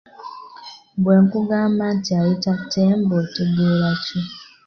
Bwe nkugamba nti ayita Ttembo otegeera ki?